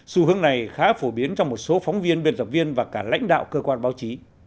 xu hướng này khá phổ biến trong một số phóng viên biên tập viên và cả lãnh đạo cơ quan báo chí